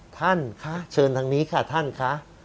ท่านเชิญทางนี้ค่ะท่านค่ะ